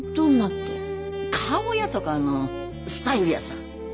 顔やとかスタイルやさ。